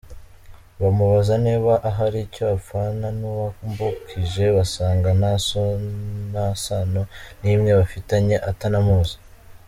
Bamubaza niba ahari icyo apfana n’uwambukije basanga nta sano n’imwe bafitanye, atanamuzi.